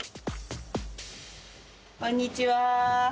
こんにちは。